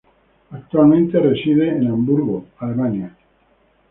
Actualmente ella reside en Hamburgo, Alemania.